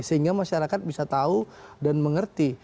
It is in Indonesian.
sehingga masyarakat bisa tahu dan mengerti